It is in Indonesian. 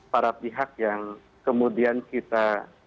para pihak yang kemudian kita